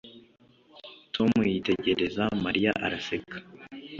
Tom yitegereza Mariya araseka